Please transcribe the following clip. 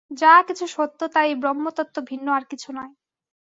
যা কিছু সত্য, তা এই ব্রহ্মতত্ত্ব ভিন্ন আর কিছু নয়।